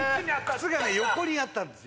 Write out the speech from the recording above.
靴がね横にあったんです